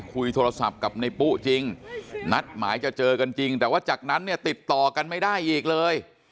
คุยโทรศัพท์กับในปุ๊จริงนัดหมายจะเจอกันจริงแต่ว่าจากนั้นเนี่ยติดต่อกันไม่ได้อีกเลย